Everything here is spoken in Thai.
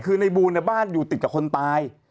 คือในบูลบ้านอยู่ติดกับคนตาย